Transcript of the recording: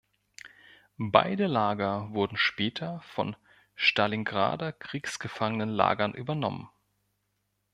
Beide Lager wurden später von stalingrader Kriegsgefangenenlagern übernommen.